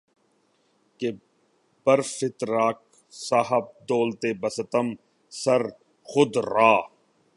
کہ بر فتراک صاحب دولتے بستم سر خود را